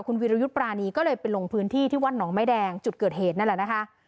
คุณวิรยุทธ์ปรานีก็เลยไปลงพื้นที่ที่วัดหนองไม้แดงจุดเกิดเหตุนั่นแหละนะคะ